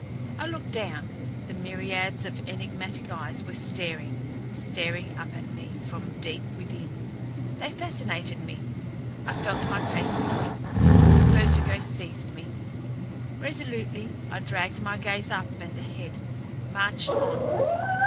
I looked down; the myriads of enigmatic eyes were staring, staring up at me from deep within. They fascinated me; I felt my pace slowing; a vertigo seized me. Resolutely I dragged my gaze up and ahead; marched on.